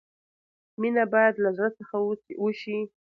مینه باید لۀ زړۀ څخه وشي.